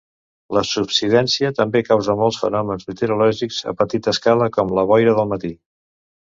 La subsidència també causa molts fenòmens meteorològics a petita escala, com la boira del matí.